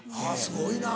すごいな。